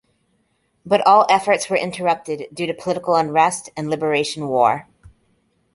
But all efforts were interrupted due to political unrest and liberation war.